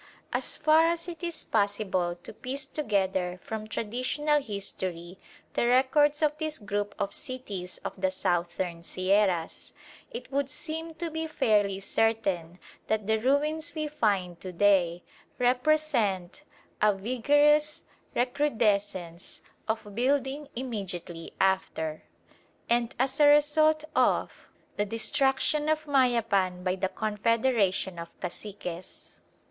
As far as it is possible to piece together from traditional history the records of this group of cities of the Southern Sierras, it would seem to be fairly certain that the ruins we find to day represent a vigorous recrudescence of building immediately after, and as a result of, the destruction of Mayapan by the confederation of caciques.